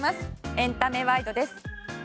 エンタメワイドです。